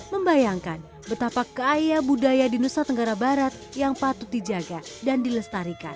membayangkan betapa kaya budaya di nusa tenggara barat yang patut dijaga dan dilestarikan